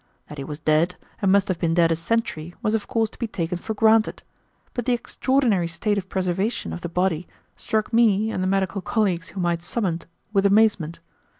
That he was dead and must have been dead a century was of course to be taken for granted; but the extraordinary state of preservation of the body struck me and the medical colleagues whom I had summoned with amazement.